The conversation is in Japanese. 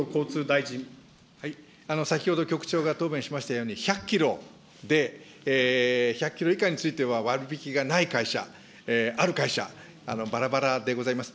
先ほど、局長が答弁しましたように、１００キロで、１００キロ以下については、割引がない会社、ある会社、ばらばらでございます。